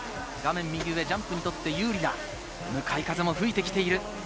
ジャンプにとって有利な向かい風も吹いてきている。